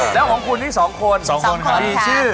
แล้วของคุณที่๒คนคือชื่อ